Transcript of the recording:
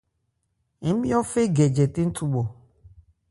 Ńmyɔ́ fê gɛ jɛtɛn thubhɔ.